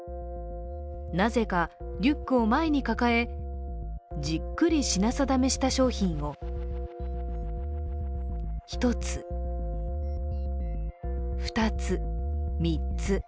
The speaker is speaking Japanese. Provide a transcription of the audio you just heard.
なぜかリュックを前に抱えじっくり品定めした商品を、１つ、２つ、３つ、４つ。